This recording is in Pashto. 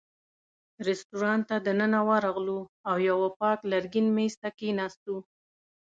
رېستورانت ته دننه ورغلو او یوه پاک لرګین مېز ته کېناستو.